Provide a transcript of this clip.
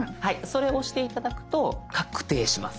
それ押して頂くと確定します。